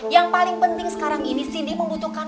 yang paling penting sekarang ini cindy membutuhkan